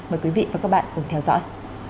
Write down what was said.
mời quý vị và các bạn cùng theo dõi